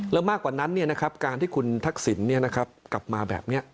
แล้วมากกว่านั้นการที่คุณทักษิณกลับมาแบบนี้